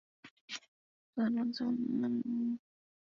Also advanced to first quarter-final at Umag.